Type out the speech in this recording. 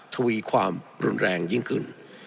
ทวีความรุนแรงยิ่งขึ้น